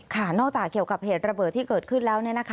นอกจากเกี่ยวกับเหตุระเบิดที่เกิดขึ้นแล้ว